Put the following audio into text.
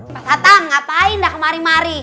pak tatang ngapain gak kemari mari